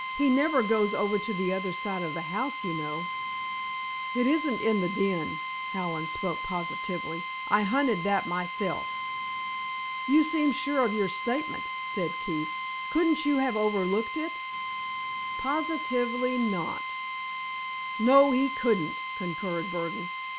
"He never goes over to the other side of the house, you know." "It isn't in the den," Hallen spoke positively; "I hunted that myself." "You seem sure of your statement," said Keefe. "Couldn't you have overlooked it?" "Positively not." "No, he couldn't," concurred Burdon.